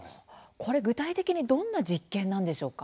これは具体的にどんな実験なんですか。